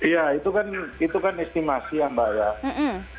ya itu kan estimasi mbak yaya